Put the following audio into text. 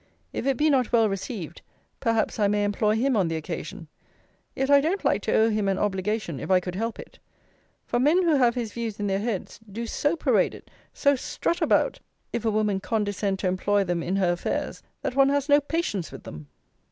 If it be not well received, perhaps I may employ him on the occasion. Yet I don't like to owe him an obligation, if I could help it. For men who have his views in their heads, do so parade it, so strut about, if a woman condescend to employ them in her affairs, that one has no patience with them.